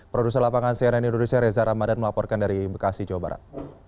produser lapangan cnn indonesia reza ramadan melaporkan dari bekasi jawa barat